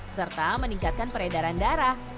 serta meningkatkan peredaran darah